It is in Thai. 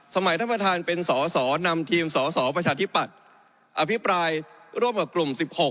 ท่านประธานเป็นสอสอนำทีมสสประชาธิปัตย์อภิปรายร่วมกับกลุ่ม๑๖